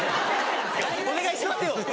お願いしますよ。